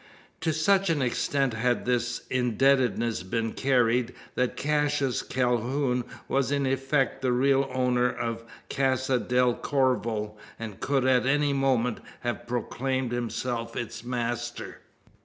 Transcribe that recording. To such an extent had this indebtedness been carried, that Cassius Calhoun was in effect the real owner of Casa del Corvo; and could at any moment have proclaimed himself its master.